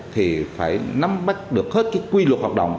thì phải nắm bắt được hết cái quy luật hoạt động